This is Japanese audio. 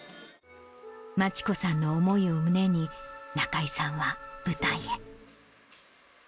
真知子さんの思いを胸に、中井さんは舞台へ。